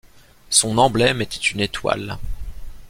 Son emblème était une étoile.